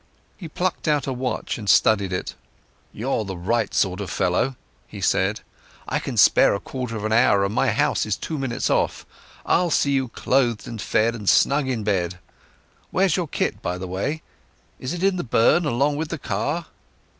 He plucked out a watch and studied it. "You're the right sort of fellow," he said. "I can spare a quarter of an hour, and my house is two minutes off. I'll see you clothed and fed and snug in bed. Where's your kit, by the way? Is it in the burn along with the car?"